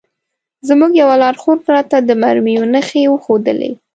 زموږ یوه لارښود راته د مرمیو نښې وښودلې.